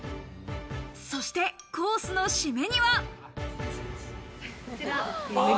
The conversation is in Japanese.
そしてコースの締めには。